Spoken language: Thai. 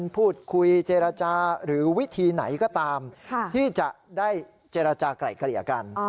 พูดคุยเจรจาหรือวิธีไหนก็ตามที่จะได้เจรจากลายเกลี่ยกัน